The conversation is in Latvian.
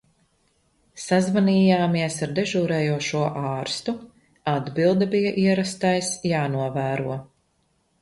Sazvanījāmies ar dežūrējošo ārstu, atbilde bija ierastais "jānovēro".